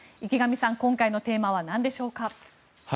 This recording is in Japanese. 池上さん、今回のテーマは何でしょうか？